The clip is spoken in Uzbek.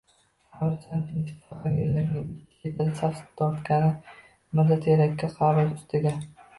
Qabriston jimjit. Faqat yo'Iakning ikki chetida saf tortgan mirzateraklar qabr ustiga